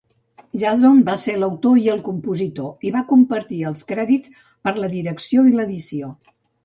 Jason va ser l'autor i el compositor i va compartir els crèdits per la direcció i l'edició.